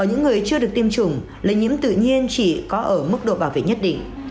những người chưa được tiêm chủng lây nhiễm tự nhiên chỉ có ở mức độ bảo vệ nhất định